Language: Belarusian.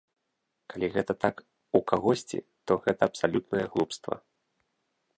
Калі гэта так у кагосьці, то гэта абсалютнае глупства.